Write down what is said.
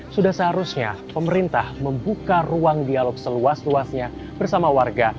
sudah seharusnya pemerintah membuka ruang dialog seluas luasnya bersama warga